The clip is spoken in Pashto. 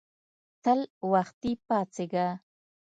تل وختي پاڅیږه